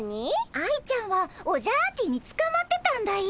愛ちゃんはオジャアーティにつかまってたんだよ。